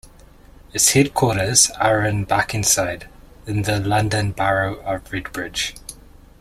Its headquarters are in Barkingside in the London Borough of Redbridge.